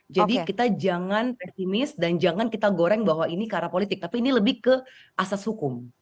jadi kita jangan pesimis dan jangan kita goreng bahwa ini ke arah politik tapi ini lebih ke asas hukum